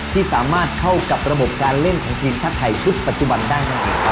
ที่สามารถเข้ากับระบบการเล่นของทีมชาติไทยชุดปัจจุบันได้